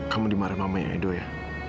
kamu dimarahin sama ido ya